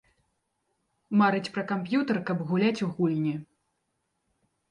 Марыць пра камп'ютар, каб гуляць у гульні.